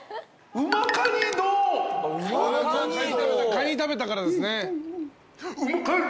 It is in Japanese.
カニ食べたからですね。